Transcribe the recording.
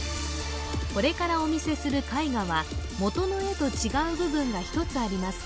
これからお見せする絵画は元の絵と違う部分が１つあります